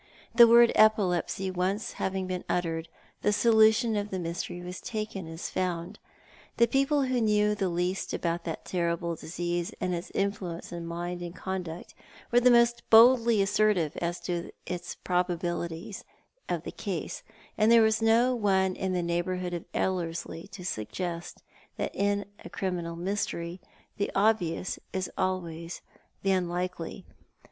The word epilepsy once having been uttered, the solution of the mystery was taken as found. The people who knew the least about that terrible disease and its influence on mind and conduct were the most boldly assertive as to the probabilities of the case, and there was no one in the neighbourhood of Ellerslie to suggest that in a criminal mystery the obvious is always the unlikely.